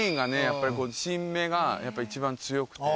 やっぱり新芽が一番強くて。